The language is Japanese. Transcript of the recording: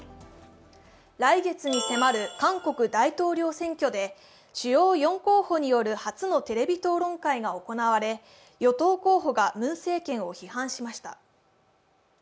来月に迫る韓国大統領選挙で、主要４候補による初のテレビ討論会が行われ与党候補がムン政権を批判しました。